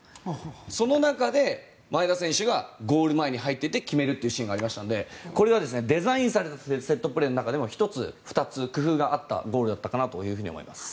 その中で前田選手がゴール前に入っていって決めるシーンがありましたのでこれがデザインされたセットプレーの中でも１つ、２つ工夫があったゴールだったかなと思います。